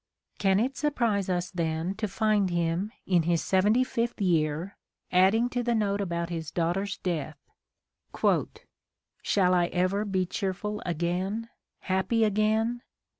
Can it surprise us then to find him, in his seventy fifth year, adding to the note about his daugh ter's death: "Shall I ever be cheerful again, happy again?